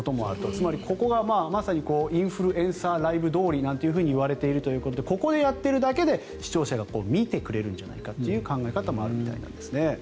つまり、ここがまさにインフルエンサーライブ通りといわれているということでここでやっているだけで視聴者が見てくれるんじゃないかという考え方もあるみたいですね。